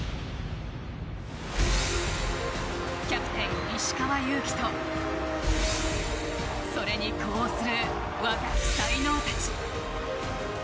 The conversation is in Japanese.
キャプテン、石川祐希とそれに呼応する若き才能たち。